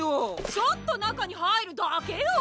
ちょっとなかにはいるだけよ！